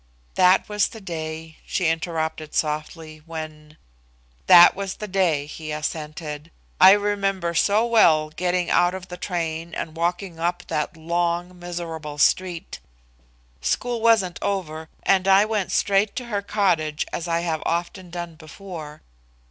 "That was the day," she interrupted softly, "when " "That was the day," he assented. "I remember so well getting out of the train and walking up that long, miserable street. School wasn't over, and I went straight to her cottage, as I have often done before.